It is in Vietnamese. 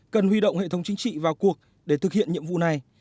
cần huy động hệ thống chính trị vào cuộc để thực hiện nhiệm vụ này